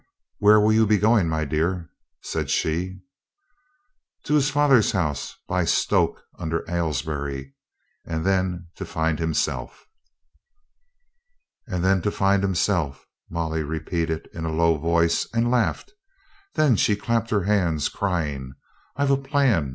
"Where will you be going, my dear?" said she. "To his father's house by Stoke under Aylesbury. And then to find himself." " 'And then to find himself,' " Molly repeated in a low voice, and laughed. Then she clapped her hands, crying, "I've a plan!